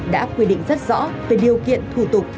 đã quy định rất rõ về điều kiện thủ tục